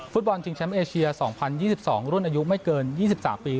ฟุตบอลชิงแชมป์เอเชีย๒๐๒๒รุ่นอายุไม่เกิน๒๓ปี